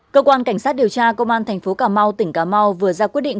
cơ quan cảnh sát điều tra công an thành phố cà mau tỉnh cà mau vừa ra quyết định